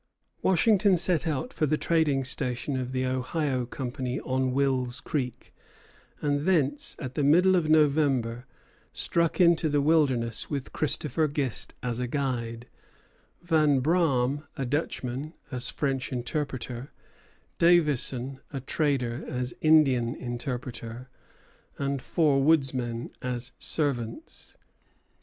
Washington set out for the trading station of the Ohio Company on Will's Creek; and thence, at the middle of November, struck into the wilderness with Christopher Gist as a guide, Vanbraam, a Dutchman, as French interpreter, Davison, a trader, as Indian interpreter, and four woodsmen as servants.